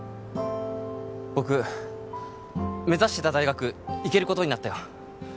僕目指してた大学行けることになったよ